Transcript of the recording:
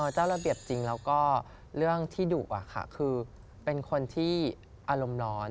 เจ้าระเบียบจริงแล้วก็เรื่องที่ดุคือเป็นคนที่อารมณ์ร้อน